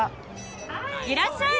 いらっしゃい。